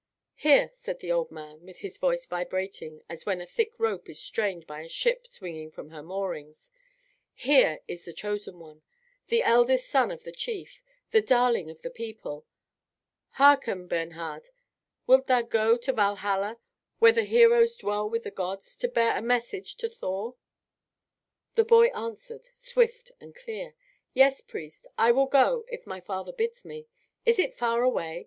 "Here," said the old man, with his voice vibrating as when a thick rope is strained by a ship swinging from her moorings, "here is the chosen one, the eldest son of the Chief, the darling of the people. Hearken, Bernhard, wilt thou go to Valhalla, where the heroes dwell with the gods, to bear a message to Thor?" The boy answered, swift and clear: "Yes, priest, I will go if my father bids me. Is it far away?